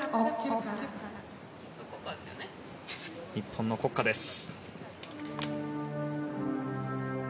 日本の国歌です。